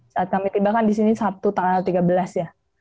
saat kami tiba kan di sini sabtu tanggal tiga belas ya